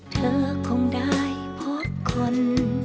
เธอคงได้พบคน